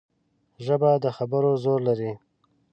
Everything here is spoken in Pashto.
ژبه د خبرو زور لري